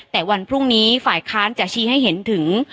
แต่วันพรุ่งนี้ฝ่ายค้านจะชี้ให้เห็นถึง